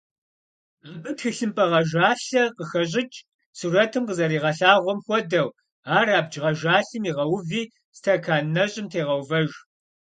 Абы тхылъымпӀэ гъэжалъэ къыхэщӀыкӀ, сурэтым къызэригъэлъагъуэм хуэдэу, ар абдж гъэжалъэм игъэуви стэкан нэщӀым тегъэувэж.